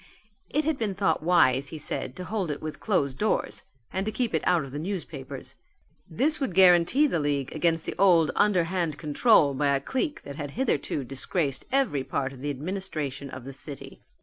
It had been thought wise, he said, to hold it with closed doors and to keep it out of the newspapers. This would guarantee the league against the old underhand control by a clique that had hitherto disgraced every part of the administration of the city.